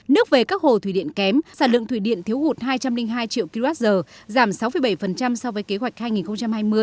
nước về các hồ thủy điện kém sản lượng thủy điện thiếu hụt hai trăm linh hai triệu kwh giảm sáu bảy so với kế hoạch hai nghìn hai mươi